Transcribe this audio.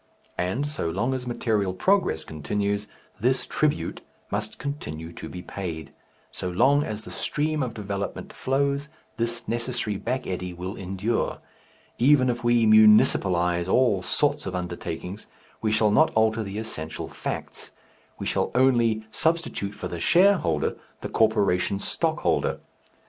And so long as material progress continues, this tribute must continue to be paid; so long as the stream of development flows, this necessary back eddy will endure. Even if we "municipalize" all sorts of undertakings we shall not alter the essential facts, we shall only substitute for the shareholder the corporation stockholder.